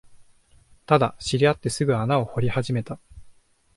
ただ、知り合ってすぐに穴を掘り始めた